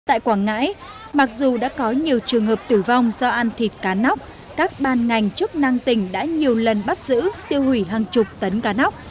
tại quảng ngãi mặc dù đã có nhiều trường hợp tử vong do ăn thịt cá nóc các ban ngành chức năng tỉnh đã nhiều lần bắt giữ tiêu hủy hàng chục tấn cá nóc